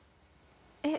えっ？